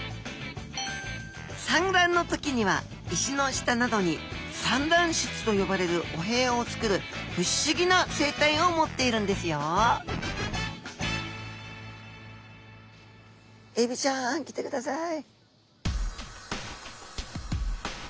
産卵の時には石の下などに産卵室と呼ばれるお部屋を作るフィッシュギな生態を持っているんですよエビちゃん来てください。